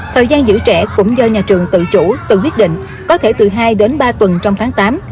thời gian giữ trẻ cũng do nhà trường tự chủ tự quyết định có thể từ hai đến ba tuần trong tháng tám